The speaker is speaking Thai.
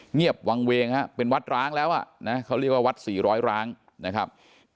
เงียบวังเวงฮะเป็นวัดร้างแล้วอ่ะนะเขาเรียกว่าวัดสี่ร้อยร้างนะครับ